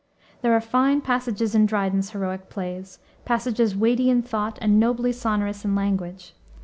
There are fine passages in Dryden's heroic plays, passages weighty in thought and nobly sonorous in language.